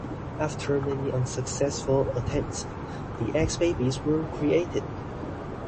After many unsuccessful attempts, the X-Babies were created.